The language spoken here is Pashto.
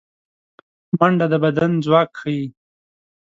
منډه د بدن ځواک ښيي